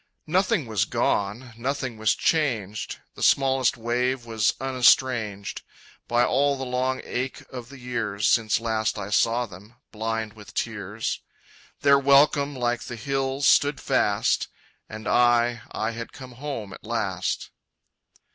Nothing was gone, nothing was changed, The smallest wave was unestranged By all the long ache of the years Since last I saw them, blind with tears. Their welcome like the hills stood fast: And I, I had come home at last.